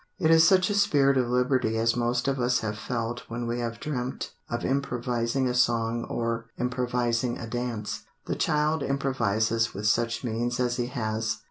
It is such a spirit of liberty as most of us have felt when we have dreamt of improvising a song or improvising a dance. The child improvises with such means as he has.